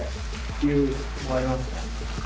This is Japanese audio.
それもありますね。